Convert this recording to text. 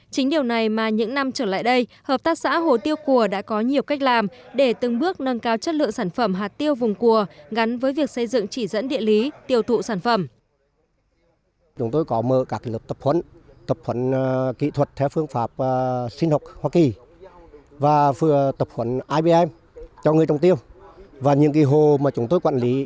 chính điều này mà những năm trở lại đây hợp tác xã hồ tiêu cùa đã có nhiều cách làm để từng bước nâng cao chất lượng sản phẩm hạt tiêu vùng cùa